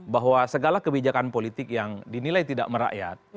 bahwa segala kebijakan politik yang dinilai tidak merakyat